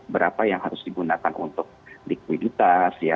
berapa yang harus digunakan untuk likuiditas ya